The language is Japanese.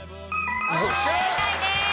正解です。